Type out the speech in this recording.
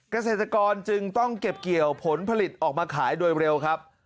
เกษตรกรจึงต้องเก็บเกี่ยวผลผลิตออกมาขายโดยเร็วครับ